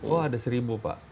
oh ada seribu pak